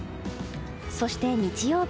そして日曜日。